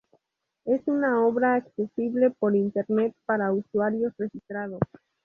Es una obra accesible por Internet para usuarios registrados.